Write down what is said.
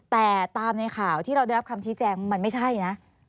แต่ตามในข่าวที่เราได้รับคำชี้แจงมันไม่ใช่นะ